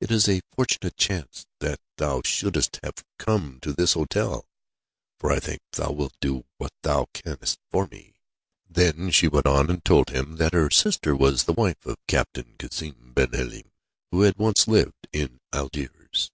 It is a fortunate chance that thou shouldst have come to this hotel, for I think thou wilt do what thou canst for me." Then she went on and told him that her sister was the wife of Captain Cassim ben Halim, who had once lived in Algiers.